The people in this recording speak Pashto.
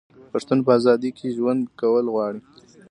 پښتون په ازادۍ کې ژوند کول غواړي.